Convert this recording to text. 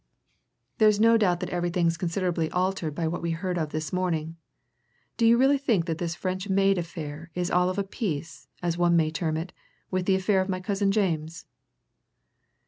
There's no doubt that everything's considerably altered by what we've heard of this morning. Do you really think that this French maid affair is all of a piece, as one may term it, with the affair of my cousin James?"